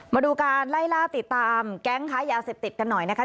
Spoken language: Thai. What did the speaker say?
มาดูการไล่ล่าติดตามแก๊งค้ายาเสพติดกันหน่อยนะคะ